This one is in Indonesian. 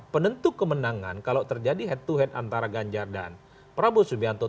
penentu kemenangan kalau terjadi head to head antara ganjar dan prabowo subianto